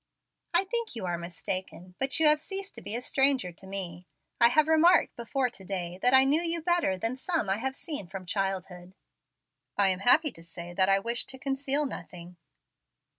"I think you are mistaken. But you have ceased to be a stranger to me. I have remarked before to day, that I knew you better than some I have seen from childhood." "I am happy to say that I wish to conceal nothing."